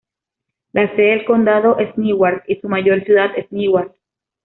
La sede del condado es Newark, y su mayor ciudad es Newark.